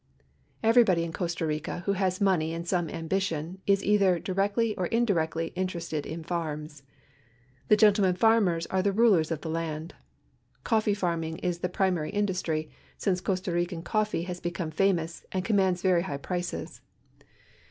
JCverybody in Costa Rica who has money and some and>ition is either directly or indirectly interested in farms. The gentle man farmers are the rulers of the land. Coflee farming is the ])rimaryindustr\\ si nee Costa HicancotVeehiis become famous and commands very high prices.